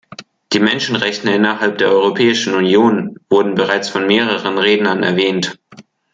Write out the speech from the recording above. Die Menschenrechte innerhalb der Europäischen Union wurden bereits von mehreren Rednern erwähnt.